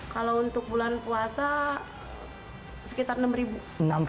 kalau untuk bulan puasa sekitar enam ribu